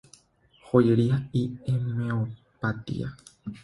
Joyería y homeopatía.